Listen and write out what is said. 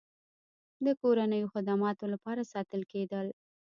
د کورنیو خدماتو لپاره ساتل کېدل.